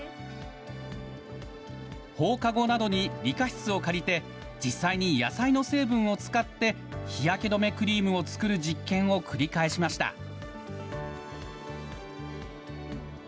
放課後などに理科室を借りて、実際に野菜の成分を使って、日焼け止めクリームを作る実験を繰り返しました。